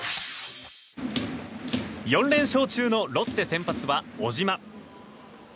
４連勝中のロッテ先発は小島。